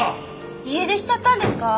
家出しちゃったんですか！？